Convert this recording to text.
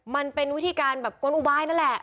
มันเป็นวิธีการแบบกลอุบายนั่นแหละ